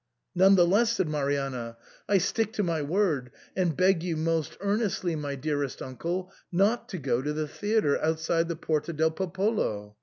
" None the less," said Marianna, " I stick to my word, and beg you most earnestly, my dearest uncle, not to go to the theatre outside the Porta del Popolo.